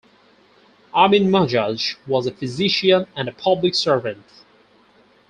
Amin Majaj was a physician and a public servant.